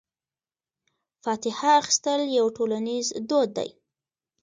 فاتحه اخیستل یو ټولنیز دود دی.